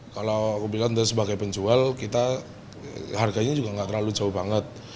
kalau aku bilang sebagai penjual kita harganya juga nggak terlalu jauh banget